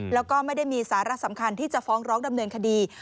แล้วก็ไม่ได้มีสาระสำคัญที่จะฟ้องร้องดำเนินคดี